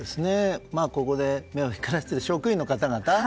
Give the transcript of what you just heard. ここで目を光らせている職員の方々